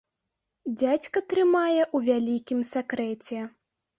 Дзядзька трымае ў вялікім сакрэце.